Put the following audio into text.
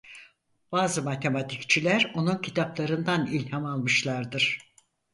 Bazı matematikçiler onun kitaplarından ilham almışlardır.